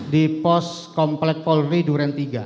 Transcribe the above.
di pos komplek polri duren tiga